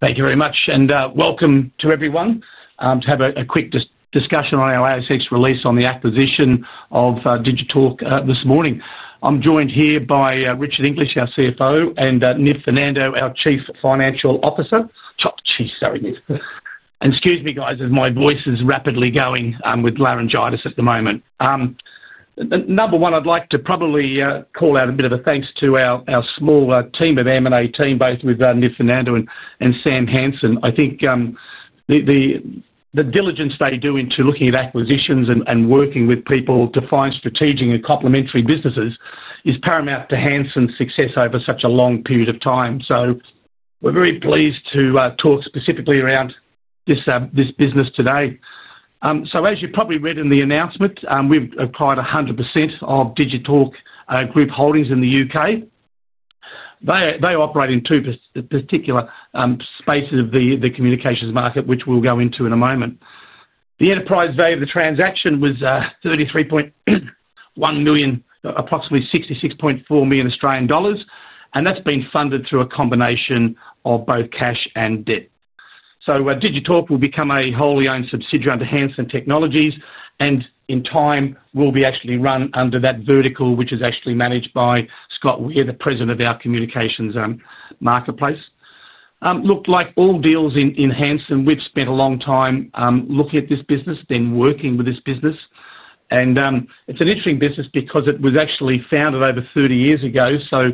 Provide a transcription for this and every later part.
Thank you very much, and welcome to everyone to have a quick discussion on our ASX release on the acquisition of Digitalk this morning. I'm joined here by Richard English, our CFO, and Niv Fernando, our Chief Financial Officer. Chief, sorry, Niv. Excuse me, guys, as my voice is rapidly going with laryngitis at the moment. Number one, I'd like to probably call out a bit of a thanks to our small team of M&A team, both with Niv Fernando and Sam Hansen. I think. The diligence they do into looking at acquisitions and working with people to find strategic and complementary businesses is paramount to Hansen's success over such a long period of time. So we're very pleased to talk specifically around this business today. So as you probably read in the announcement, we acquired 100% of Digitalk Group Holdings in the UK. They operate in two particular spaces of the communications market, which we'll go into in a moment. The enterprise value of the transaction was 33.1 million, approximately $66.4 million, and that's been funded through a combination of both cash and debt. So Digitalk will become a wholly-owned subsidiary under Hansen Technologies, and in time, will be actually run under that vertical, which is actually managed by Scott Weir, the president of our communications marketplace. Look, like all deals in Hansen, we've spent a long time looking at this business, then working with this business. And it's an interesting business because it was actually founded over 30 years ago. So.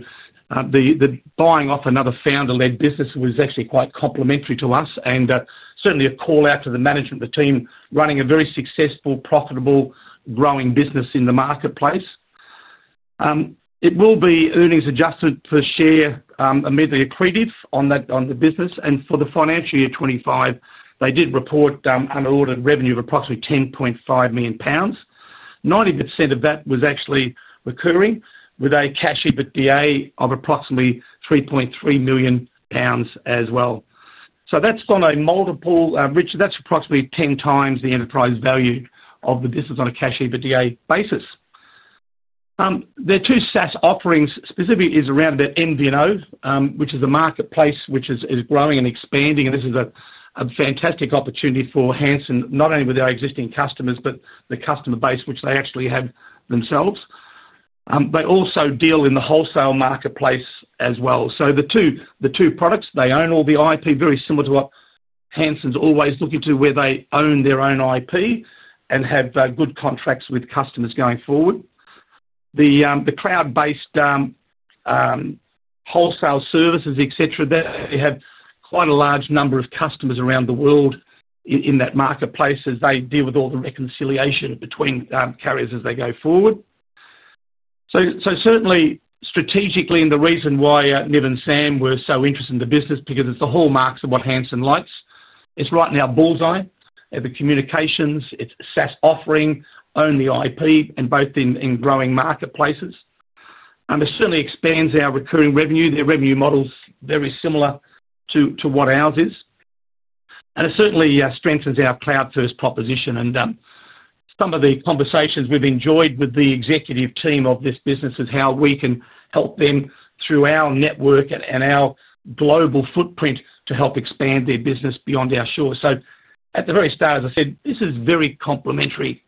The buying off another founder-led business was actually quite complementary to us, and certainly a call out to the management, the team running a very successful, profitable, growing business in the marketplace. It will be earnings adjusted per share amid the accretive on the business. And for the financial year '25, they did report an ordered revenue of approximately EUR 10.5 million. 90% of that was actually recurring, with a cash EBITDA of approximately EUR 3.3 million as well. So that's on a multiple—Richard, that's approximately 10 times the enterprise value of the business on a cash EBITDA basis. Their two SaaS offerings specifically is around their MVNO, which is a marketplace which is growing and expanding. And this is a fantastic opportunity for Hansen, not only with our existing customers but the customer base, which they actually have themselves, but also deal in the wholesale marketplace as well. So the two products, they own all the IP, very similar to what Hansen's always looking to, where they own their own IP and have good contracts with customers going forward. The cloud-based. Wholesale services, etc., they have quite a large number of customers around the world. In that marketplace as they deal with all the reconciliation between carriers as they go forward. So certainly, strategically, and the reason why Niv and Sam were so interested in the business, because it's the hallmarks of what Hansen likes, is right now bullseye at the communications, its SaaS offering, own the IP, and both in growing marketplaces. It certainly expands our recurring revenue. Their revenue model's very similar to what ours is. And it certainly strengthens our cloud-first proposition. Some of the conversations we've enjoyed with the executive team of this business is how we can help them through our network and our global footprint to help expand their business beyond our shores. So at the very start, as I said, this is very complementary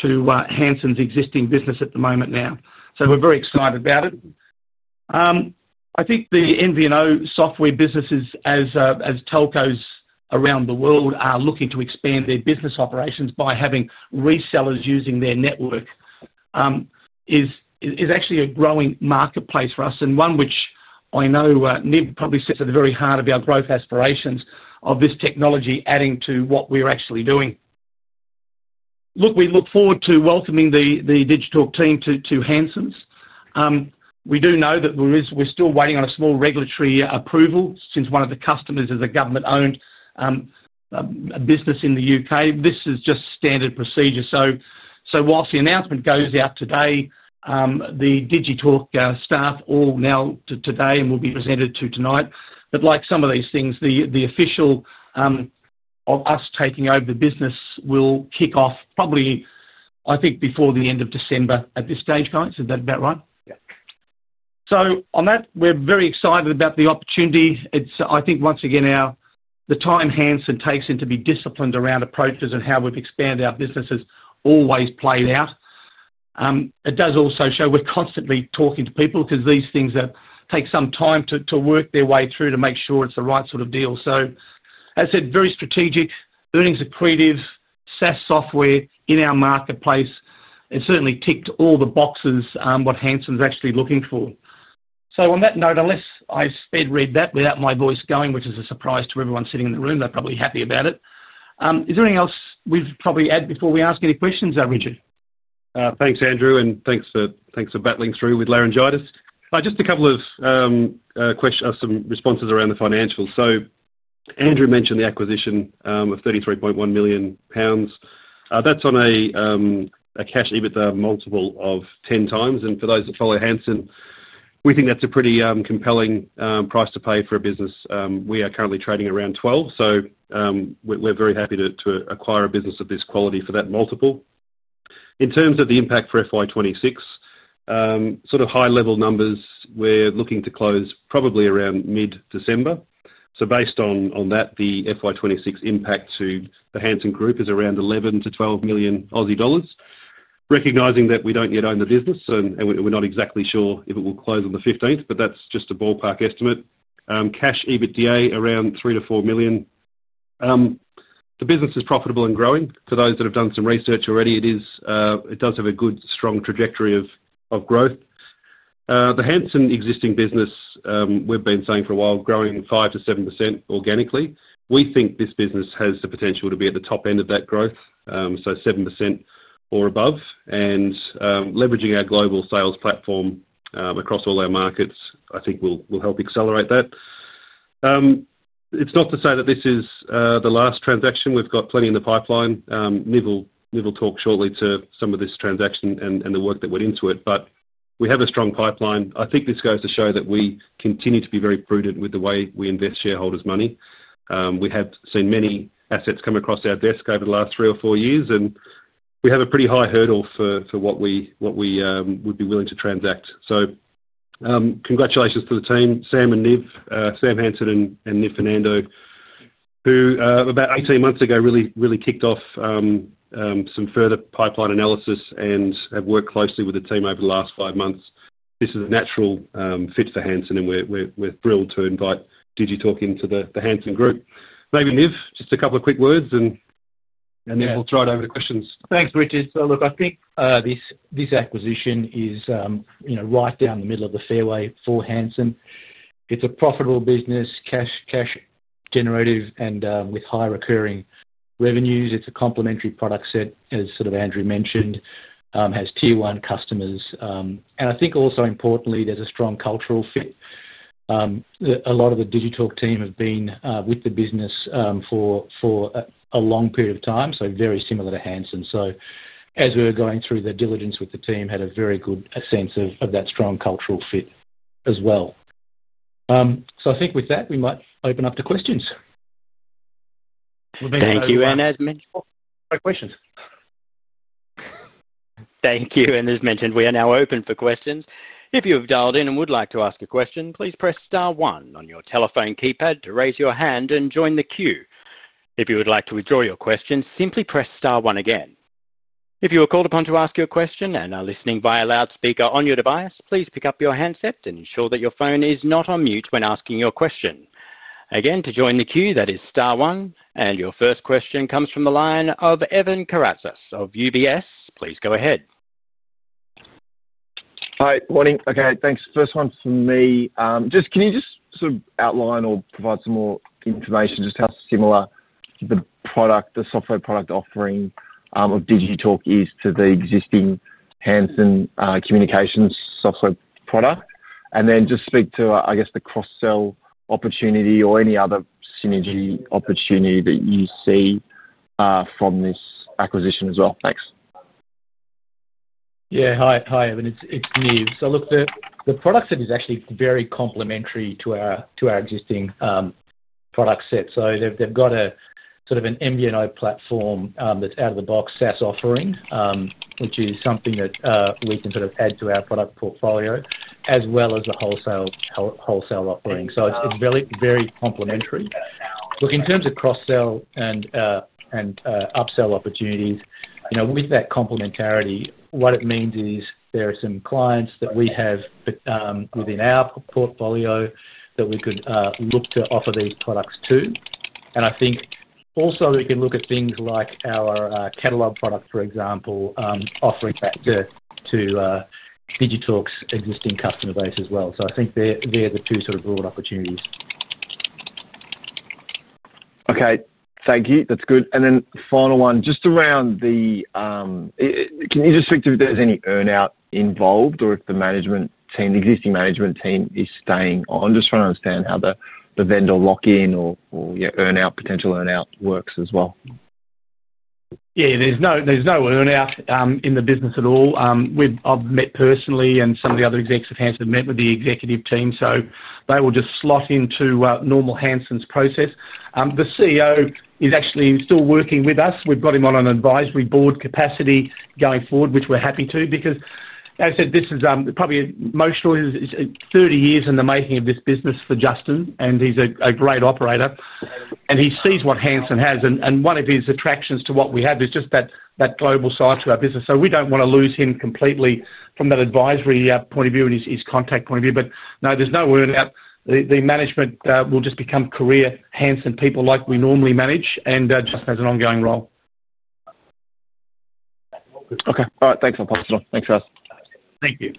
to Hansen's existing business at the moment now. So we're very excited about it. I think the MVNO software businesses, as telcos around the world are looking to expand their business operations by having resellers using their network, is actually a growing marketplace for us and one which I know Niv probably sits at the very heart of our growth aspirations of this technology adding to what we're actually doing. Look, we look forward to welcoming the Digitalk team to Hansen's. We do know that we're still waiting on a small regulatory approval since one of the customers is a government-owned business in the U.K. This is just standard procedure. So whilst the announcement goes out today, the Digitalk staff all know today and will be presented tonight. But like some of these things, the official of us taking over the business will kick off probably, I think, before the end of December at this stage. Is that about right? Yeah. So on that, we're very excited about the opportunity. It's, I think, once again, the time Hansen takes into be disciplined around approaches and how we've expanded our business has always played out. It does also show we're constantly talking to people because these things take some time to work their way through to make sure it's the right sort of deal. So as I said, very strategic, earnings accretive, SaaS software in our marketplace, it certainly ticked all the boxes what Hansen's actually looking for. So on that note, unless I speed read that without my voice going, which is a surprise to everyone sitting in the room, they're probably happy about it. Is there anything else we've probably added before we ask any questions? Richard. Thanks, Andrew, and thanks for battling through with laryngitis. Just a couple of responses around the financials. So Andrew mentioned the acquisition of EUR 33.1 million. That's on a cash EBITDA multiple of 10 times. And for those that follow Hansen, we think that's a pretty compelling price to pay for a business. We are currently trading around 12, so. We're very happy to acquire a business of this quality for that multiple. In terms of the impact for FY26. Sort of high-level numbers, we're looking to close probably around mid-December. So based on that, the FY26 impact to the Hansen Group is around 11-12 million Aussie dollars, recognizing that we don't yet own the business and we're not exactly sure if it will close on the 15th, but that's just a ballpark estimate. Cash EBITDA around 3-4 million. The business is profitable and growing. For those that have done some research already, it does have a good, strong trajectory of growth. The Hansen existing business. We've been saying for a while, growing 5-7% organically. We think this business has the potential to be at the top end of that growth, so 7% or above. And leveraging our global sales platform across all our markets, I think will help accelerate that. It's not to say that this is the last transaction. We've got plenty in the pipeline. Niv will talk shortly to some of this transaction and the work that went into it, but we have a strong pipeline. I think this goes to show that we continue to be very prudent with the way we invest shareholders' money. We have seen many assets come across our desk over the last three or four years, and we have a pretty high hurdle for what we would be willing to transact. So. Congratulations to the team, Sam and Niv, Sam Hansen and Niv Fernando. Who about 18 months ago really kicked off. Some further pipeline analysis and have worked closely with the team over the last five months. This is a natural fit for Hansen, and we're thrilled to invite Digitalk into the Hansen Group. Maybe Niv, just a couple of quick words, and. Then we'll throw it over to questions. Thanks, Richard. So look, I think this acquisition is right down the middle of the fairway for Hansen. It's a profitable business, cash-generative, and with high recurring revenues. It's a complementary product set, as sort of Andrew mentioned, has tier-one customers. And I think also importantly, there's a strong cultural fit. A lot of the Digitalk team have been with the business for a long period of time, so very similar to Hansen. So as we were going through the diligence with the team, had a very good sense of that strong cultural fit as well. So I think with that, we might open up to questions. Thank you. And as mentioned, no questions. Thank you. And as mentioned, we are now open for questions. If you have dialed in and would like to ask a question, please press star one on your telephone keypad to raise your hand and join the queue. If you would like to withdraw your question, simply press star one again. If you are called upon to ask your question and are listening via loudspeaker on your device, please pick up your handset and ensure that your phone is not on mute when asking your question. Again, to join the queue, that is star one. And your first question comes from the line of Evan Karatsas of UBS. Please go ahead. Hi. Morning. Okay. Thanks. First one for me. Can you just sort of outline or provide some more information just how similar the software product offering of Digitalk is to the existing Hansen communications software product? And then just speak to, I guess, the cross-sell opportunity or any other synergy opportunity that you see. From this acquisition as well. Thanks. Yeah. Hi, Evan. It's Niv. So look, the product set is actually very complementary to our existing product set. So they've got a sort of an MVNO platform that's out of the box SaaS offering, which is something that we can sort of add to our product portfolio, as well as the wholesale offering. So it's very complementary. Look, in terms of cross-sell and upsell opportunities, with that complementarity, what it means is there are some clients that we have within our portfolio that we could look to offer these products to. And I think also we can look at things like our catalog product, for example, offering that to Digitalk's existing customer base as well. So I think they're the two sort of broad opportunities. Okay. Thank you. That's good. And then final one, just around the. Can you just speak to if there's any earnout involved or if the existing management team is staying on? Just trying to understand how the vendor lock-in or potential earnout works as well. Yeah. There's no earnout in the business at all. I've met personally and some of the other execs of Hansen have met with the executive team, so they will just slot into normal Hansen's process. The CEO is actually still working with us. We've got him on an advisory board capacity going forward, which we're happy to because, as I said, this is probably emotional. It's 30 years in the making of this business for Justin, and he's a great operator. He sees what Hansen has. One of his attractions to what we have is just that global side to our business. We don't want to lose him completely from that advisory point of view and his contact point of view. No, there's no earnout. The management will just become career Hansen people like we normally manage, and Justin has an ongoing role. Okay. All right. Thanks, Niv. Thanks, Russ. Thank you.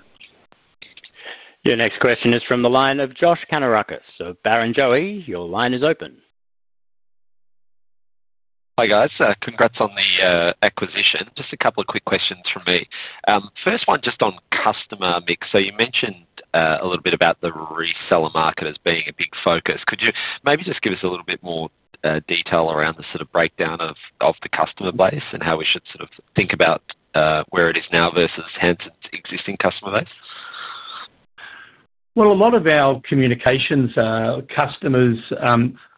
Your next question is from the line of Josh Kannourakis. So Barrenjoey, your line is open. Hi, guys. Congrats on the acquisition. Just a couple of quick questions from me. First one, just on customer mix. So you mentioned a little bit about the reseller market as being a big focus. Could you maybe just give us a little bit more detail around the sort of breakdown of the customer base and how we should sort of think about where it is now versus Hansen's existing customer base? A lot of our communications customers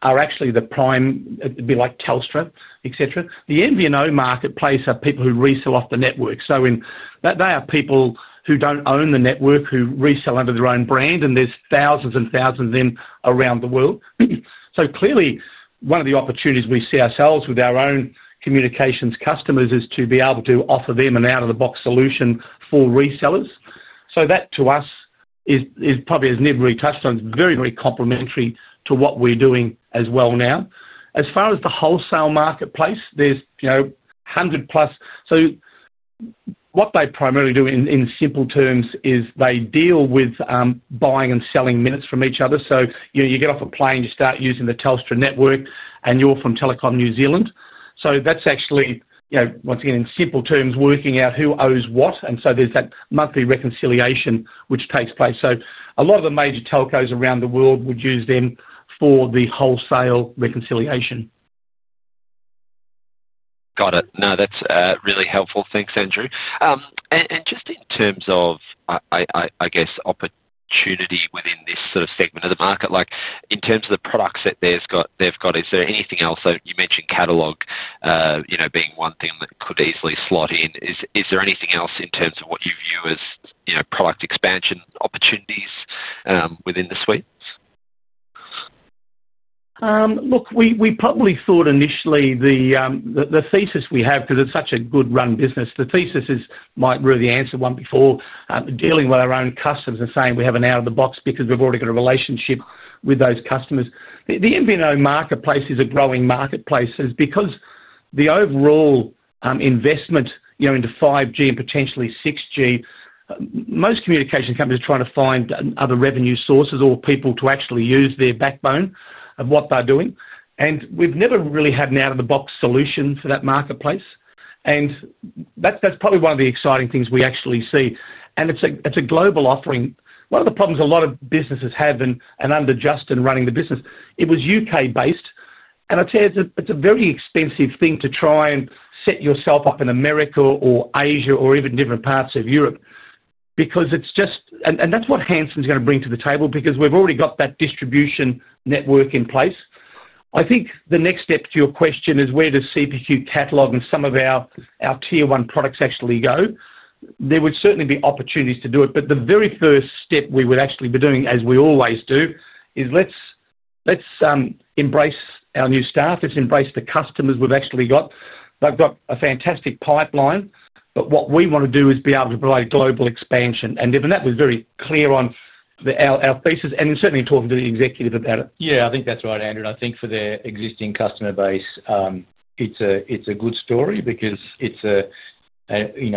are actually the prime - it'd be like Telstra, etc. The MVNO marketplace are people who resell off the network. So they are people who don't own the network, who resell under their own brand, and there's thousands and thousands of them around the world. So clearly, one of the opportunities we see ourselves with our own communications customers is to be able to offer them an out-of-the-box solution for resellers. So that, to us, is probably, as Niv really touched on, very, very complementary to what we're doing as well now. As far as the wholesale marketplace, there's 100-plus. So what they primarily do in simple terms is they deal with buying and selling minutes from each other. So you get off a plane, you start using the Telstra network, and you're from Telecom New Zealand. So that's actually, once again, in simple terms, working out who owes what. And so there's that monthly reconciliation which takes place. So a lot of the major telcos around the world would use them for the wholesale reconciliation. Got it. No, that's really helpful. Thanks, Andrew. And just in terms of. I guess, opportunity within this sort of segment of the market, in terms of the products that they've got, is there anything else? So you mentioned catalog. Being one thing that could easily slot in. Is there anything else in terms of what you view as product expansion opportunities within the suite? Look, we probably thought initially the thesis we have, because it's such a good-run business, the thesis is, might really answer one before dealing with our own customers and saying we have an out-of-the-box because we've already got a relationship with those customers. The MVNO marketplace is a growing marketplace because the overall investment into 5G and potentially 6G. Most communication companies are trying to find other revenue sources or people to actually use their backbone of what they're doing. We've never really had an out-of-the-box solution for that marketplace. That's probably one of the exciting things we actually see. It's a global offering. One of the problems a lot of businesses have and under Justin running the business, it was UK-based. I'd say it's a very expensive thing to try and set yourself up in America or Asia or even different parts of Europe because it's just, and that's what Hansen's going to bring to the table because we've already got that distribution network in place. I think the next step to your question is where does CPQ catalog and some of our tier-one products actually go? There would certainly be opportunities to do it. But the very first step we would actually be doing, as we always do, is let's embrace our new staff. Let's embrace the customers we've actually got. They've got a fantastic pipeline, but what we want to do is be able to provide global expansion. And even that was very clear on our thesis and certainly talking to the executive about it. Yeah, I think that's right, Andrew. And I think for their existing customer base, it's a good story because, with Hansen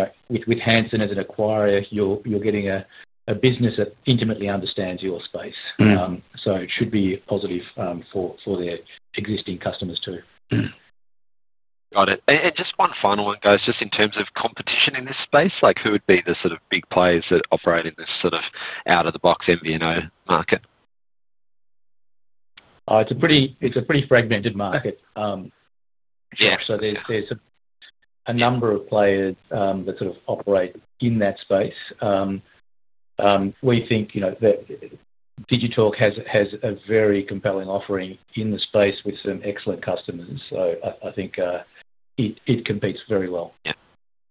as an acquirer, you're getting a business that intimately understands your space. So it should be positive for their existing customers too. Got it. And just one final one, guys, just in terms of competition in this space, who would be the sort of big players that operate in this sort of out-of-the-box MVNO market? It's a pretty fragmented market. So there's a number of players that sort of operate in that space. We think. Digitalk has a very compelling offering in the space with some excellent customers. So I think. It competes very well.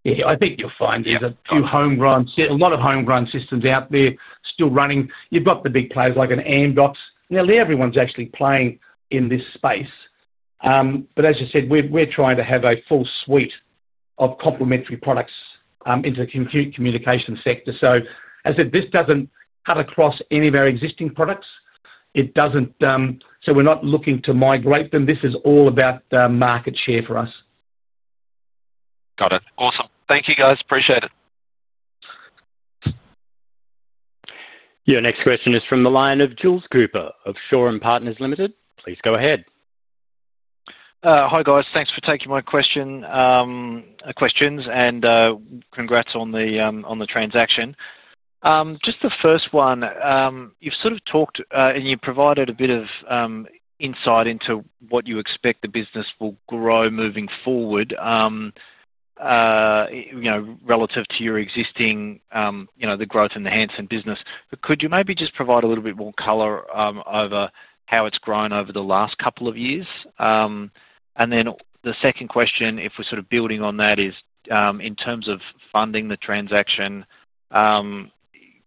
Yeah, I think you'll find there's a few homegrown, a lot of homegrown systems out there still running. You've got the big players like an Amdocs. Nearly everyone's actually playing in this space. But as you said, we're trying to have a full suite of complementary products into the communications sector. So as I said, this doesn't cut across any of our existing products. So we're not looking to migrate them. This is all about market share for us. Got it. Awesome. Thank you, guys. Appreciate it. Your next question is from the line of Jules Cooper of Shaw and Partners Limited. Please go ahead. Hi, guys. Thanks for taking my questions, and congrats on the transaction. Just the first one, you've sort of talked and you provided a bit of insight into what you expect the business will grow moving forward relative to your existing growth in the Hansen business, but could you maybe just provide a little bit more color over how it's grown over the last couple of years, and then the second question, if we're sort of building on that, is in terms of funding the transaction.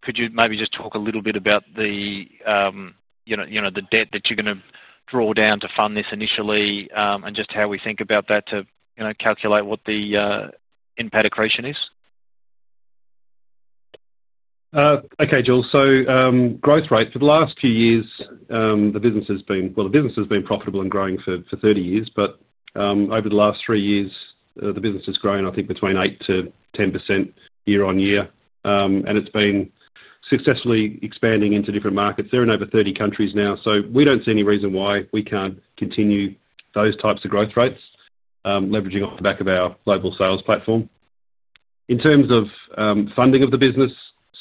Could you maybe just talk a little bit about the debt that you're going to draw down to fund this initially and just how we think about that to calculate what the impact equation is? Okay, Jules. So growth rate. For the last few years, the business has been—well, the business has been profitable and growing for 30 years. But over the last three years, the business has grown, I think, between 8% to 10% year on year. And it's been successfully expanding into different markets. They're in over 30 countries now. So we don't see any reason why we can't continue those types of growth rates, leveraging off the back of our global sales platform. In terms of funding of the business,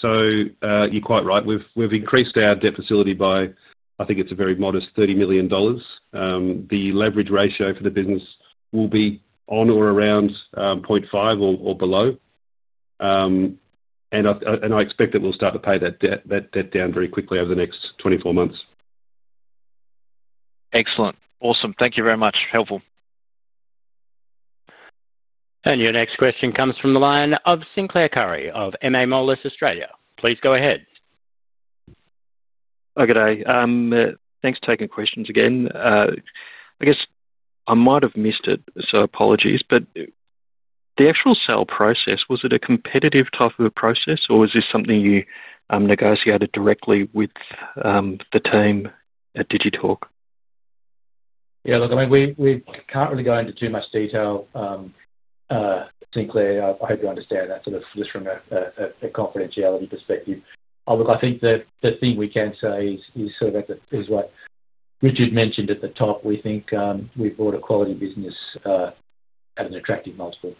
so you're quite right. We've increased our debt facility by, I think it's a very modest 30 million dollars. The leverage ratio for the business will be on or around 0.5 or below. And I expect that we'll start to pay that debt down very quickly over the next 24 months. Excellent. Awesome. Thank you very much. Helpful. And your next question comes from the line of Sinclair Currie of MA Moelis. Please go ahead. Okay, Danny. Thanks for taking questions again. I guess I might have missed it, so apologies, but the actual sale process, was it a competitive type of process, or was this something you negotiated directly with the team at Digitalk? Yeah. Look, I mean, we can't really go into too much detail. Sinclair, I hope you understand that sort of just from a confidentiality perspective. Look, I think the thing we can say is sort of what Richard mentioned at the top. We think we've bought a quality business. At an attractive multiple.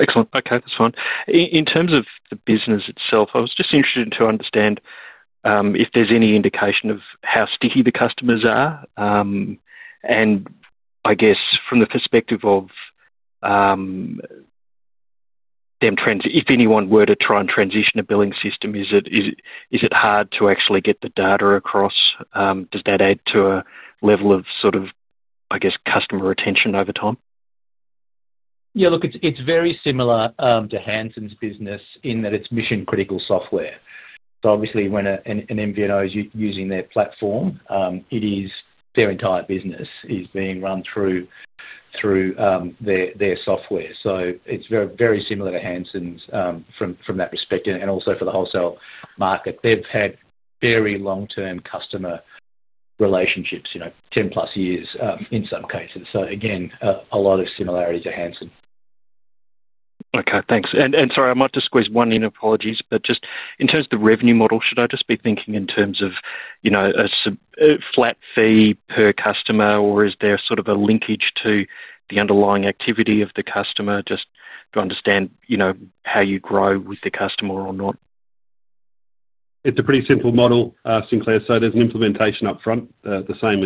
Excellent. Okay. That's fine. In terms of the business itself, I was just interested to understand if there's any indication of how sticky the customers are, and I guess from the perspective of the trends, if anyone were to try and transition a billing system, is it hard to actually get the data across? Does that add to a level of sort of, I guess, customer retention over time? Yeah. Look, it's very similar to Hansen's business in that it's mission-critical software, so obviously, when an MVNO is using their platform, their entire business is being run through their software, so it's very similar to Hansen's from that perspective, and also for the wholesale market, they've had very long-term customer relationships, 10-plus years in some cases, so again, a lot of similarities at Hansen. Okay. Thanks. And sorry, I might just squeeze one in, apologies. But just in terms of the revenue model, should I just be thinking in terms of a flat fee per customer, or is there sort of a linkage to the underlying activity of the customer just to understand how you grow with the customer or not? It's a pretty simple model, Sinclair. So there's an implementation upfront, the same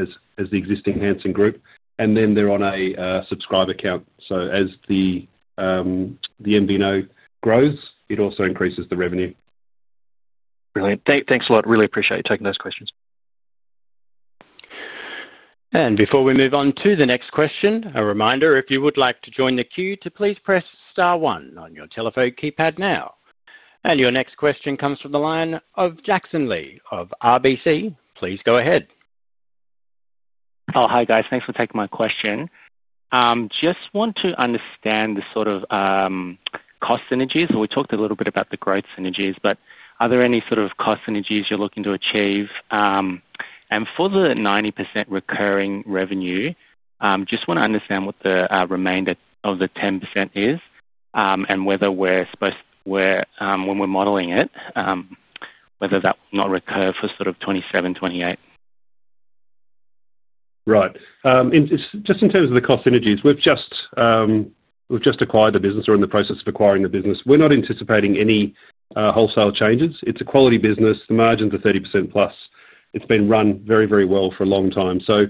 as the existing Hansen Group. And then they're on a subscriber account. So as the MVNO grows, it also increases the revenue. Brilliant. Thanks a lot. Really appreciate you taking those questions. And before we move on to the next question, a reminder, if you would like to join the queue, please press star one on your telephone keypad now. And your next question comes from the line of Jackson Lee of RBC. Please go ahead. Oh, hi, guys. Thanks for taking my question. Just want to understand the sort of cost synergies. We talked a little bit about the growth synergies, but are there any sort of cost synergies you're looking to achieve? And for the 90% recurring revenue, just want to understand what the remainder of the 10% is and whether we're modeling it. Whether that will not recur for sort of 2027, 2028. Right. Just in terms of the cost synergies, we've just acquired the business. We're in the process of acquiring the business. We're not anticipating any wholesale changes. It's a quality business. The margins are 30% plus. It's been run very, very well for a long time, so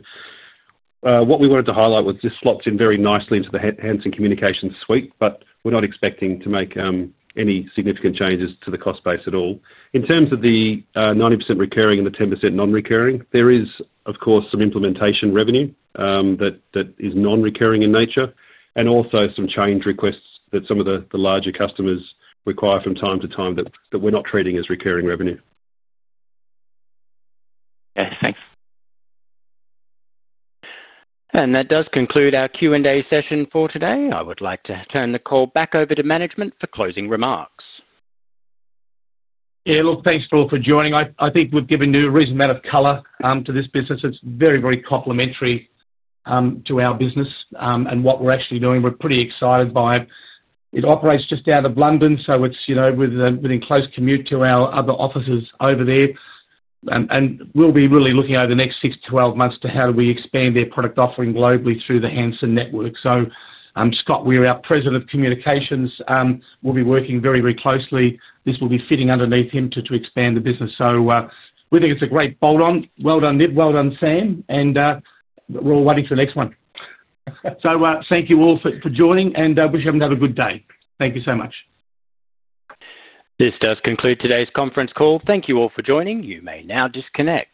what we wanted to highlight was this slots in very nicely into the Hansen Communications suite, but we're not expecting to make any significant changes to the cost base at all. In terms of the 90% recurring and the 10% non-recurring, there is, of course, some implementation revenue that is non-recurring in nature and also some change requests that some of the larger customers require from time to time that we're not treating as recurring revenue. Okay. Thanks. That does conclude our Q&A session for today. I would like to turn the call back over to management for closing remarks. Yeah. Look, thanks for joining. I think we've given you a reasonable amount of color to this business. It's very, very complementary to our business and what we're actually doing. We're pretty excited by it. It operates just out of London, so it's within close commute to our other offices over there. And we'll be really looking over the next six to 12 months to how do we expand their product offering globally through the Hansen network. So Scott, our president of communications. We'll be working very, very closely. This will be fitting underneath him to expand the business. So we think it's a great bolt-on. Well done, Niv. Well done, Sam. We're all waiting for the next one. So thank you all for joining, and I wish everyone to have a good day. Thank you so much. This does conclude today's conference call. Thank you all for joining. You may now disconnect.